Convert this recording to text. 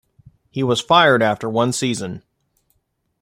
He was fired after one season.